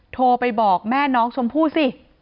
โทรไปบอกแม่น้องชมพู่สิ